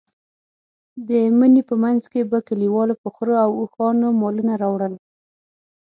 د مني په منځ کې به کلیوالو په خرو او اوښانو مالونه راوړل.